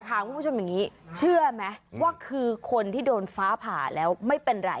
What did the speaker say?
คุณผู้ชมอย่างนี้เชื่อไหมว่าคือคนที่โดนฟ้าผ่าแล้วไม่เป็นไร